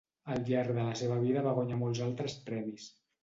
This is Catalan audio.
Al llarg de la seva vida va guanyar molts altres premis.